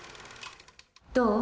どう？